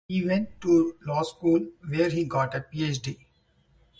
He went to Law School where he got a PhD.